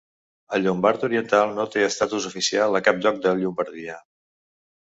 El llombard oriental no té estatus oficial a cap lloc de Llombardia.